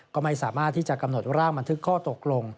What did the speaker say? ก็ไม่สามารถที่จะกำหนดร่างบันทึกข้อตกลง